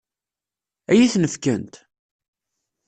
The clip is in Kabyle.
Ad iyi-ten-fkent?